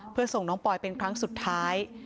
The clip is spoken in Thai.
เพื่อส่งน้องปอยเป็นครั้งสุดท้าย